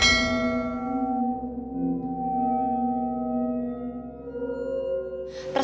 tidak ada yang bisa dikira